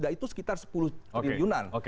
itu sekitar sepuluh triliunan